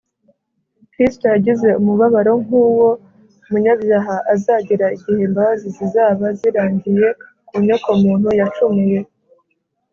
kristo yagize umubabaro nk’uwo umunyabyaha azagira igihe imbabazi zizaba zirangiye ku nyokomuntu yacumuye